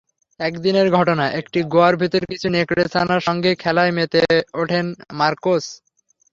একদিনের ঘটনা, একটি গুহার ভেতর কিছু নেকড়ে ছানার সঙ্গে খেলায় মেতে ওঠেন মারকোস।